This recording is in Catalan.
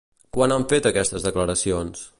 Quan han fet aquestes declaracions?